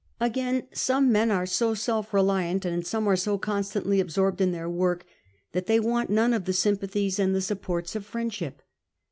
Again, some men are so self reliant, and some are so constantly absorbed in their work, that they want none of the sympathies and the supports of friendship.